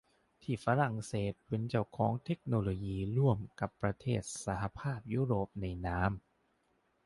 ที่ฝรั่งเศสเป็นเจ้าของเทคโนโลยีร่วมกับประเทศในสหภาพยุโรปในนาม